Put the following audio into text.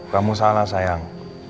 kamu salah sayang